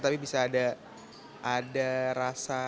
tapi bisa ada rasa